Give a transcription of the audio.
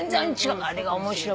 あれが面白くて。